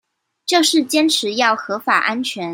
就是堅持要合法安全